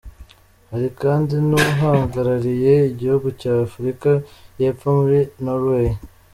Hari kandi n’uhagarariye igihugu cy’Afrika y’Epfo muri Norway.